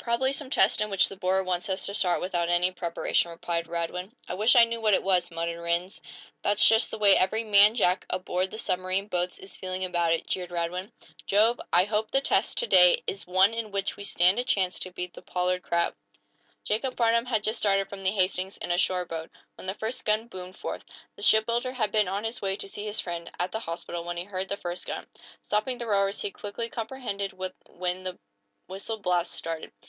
"Probably some test in which the board wants us to start without any preparation," replied Radwin. "I wish I knew what it was," muttered Rhinds. "That's just the way every man jack aboard the submarine boats is feeling about it," jeered Radwin. "Jove, I hope the test, to day, is one in which we stand a chance to beat the Pollard crowd!" Jacob Farnum had just started from the "Hastings," in a shore boat, when the first gun boomed forth. The shipbuilder had been on his way to see his friend, at the hospital, when he heard the first gun. Stopping the rowers, he quickly comprehended when the whistle blasts started.